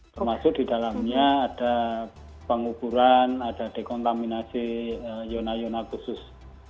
termasuk di dalamnya ada pengukuran ada dekontaminasi yona yona khusus